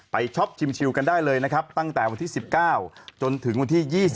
ช็อปชิมชิวกันได้เลยนะครับตั้งแต่วันที่๑๙จนถึงวันที่๒๒